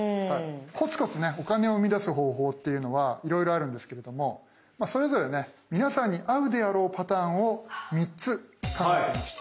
コツコツねお金をうみだす方法っていうのはいろいろあるんですけれどもそれぞれね皆さんに合うであろうパターンを３つ考えてきました。